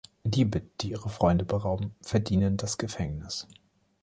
Diebe, die ihre Freunde berauben, verdienen das Gefängnis.